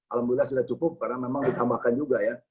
alhamdulillah sudah cukup karena memang ditambahkan juga ya